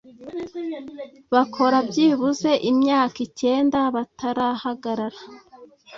Bakora byibuze imyaka icyenda batarahagarara